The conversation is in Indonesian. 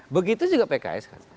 begitu juga pks